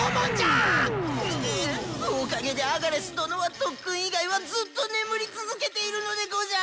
ううおかげでアガレス殿は特訓以外はずっと眠り続けているのでござる！